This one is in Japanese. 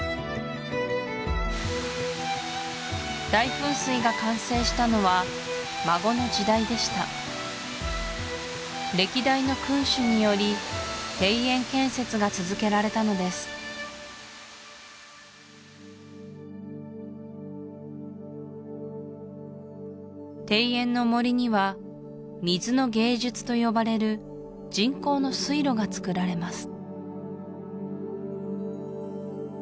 大噴水が完成したのは孫の時代でした歴代の君主により庭園建設が続けられたのです庭園の森には水の芸術と呼ばれる人工の水路がつくられます